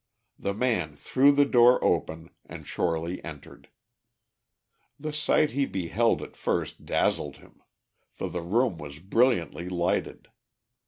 The man threw the door open, and Shorely entered. The sight he beheld at first dazzled him, for the room was brilliantly lighted.